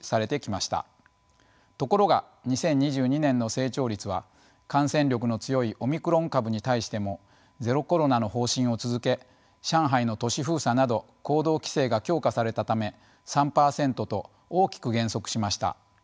ところが２０２２年の成長率は感染力の強いオミクロン株に対してもゼロコロナの方針を続け上海の都市封鎖など行動規制が強化されたため３％と大きく減速しました。